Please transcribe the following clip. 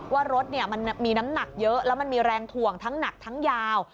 ว่ารถมันมีน้ำหนักเยอะแล้วมันมีแรงถ่วงทั้งหนักทั้งยาว